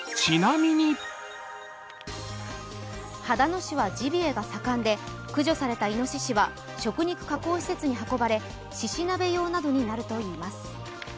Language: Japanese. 秦野市はジビエが盛んで、駆除されたいのししは食肉加工施設に運ばれ、しし鍋用などになるといいます。